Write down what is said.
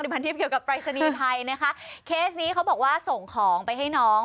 พันทิพย์เกี่ยวกับปรายศนีย์ไทยนะคะเคสนี้เขาบอกว่าส่งของไปให้น้อง